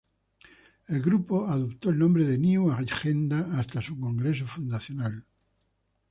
El grupo adoptó el nombre de "New Agenda" hasta su congreso fundacional.